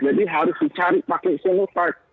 jadi harus dicari pakai sinovac